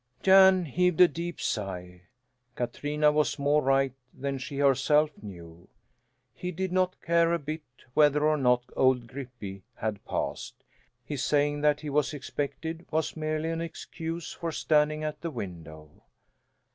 Jan heaved a deep sigh. Katrina was more right than she herself knew. He did not care a bit whether or not old "Grippie" had passed. His saying that he was expected was merely an excuse for standing at the window.